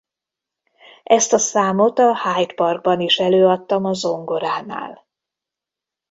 Ezt a számot a Hyde Parkban is előadtam a zongoránál.